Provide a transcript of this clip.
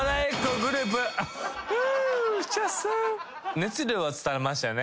熱量は伝わりましたよね。